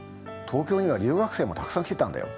東京には留学生もたくさん来てたんだよ。